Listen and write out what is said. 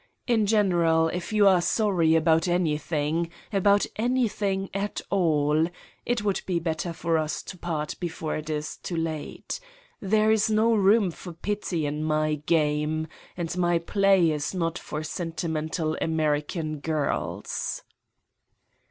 In general, if you are sorry about any thing about anything at all it would be better for us to part before it is too late. There is no room for pity in my game and my play is not for sentimental American girls.